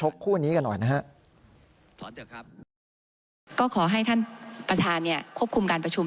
ก็ขอให้ท่านประธานเนี่ยควบคุมการประชุม